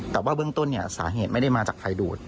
แต่ว่าเบื้องต้นสาเหตุไม่ได้มาจากภัยดูด